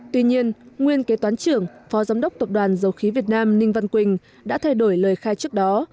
tuy nhiên nguyên kế toán trưởng phó giám đốc tập đoàn dầu khí việt nam ninh văn quỳnh đã thay đổi lời khai trước đó